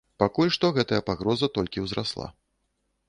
Пакуль што гэтая пагроза толькі ўзрасла.